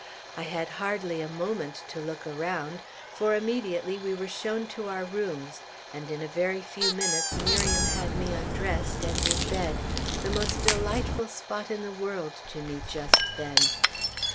I had hardly a moment to look around; for immediately we were shown to our rooms, and in a very few minutes Miriam had me undressed and in bed, the most delightful spot in the world to me just then.